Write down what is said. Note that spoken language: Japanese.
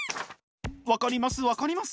分かります分かります。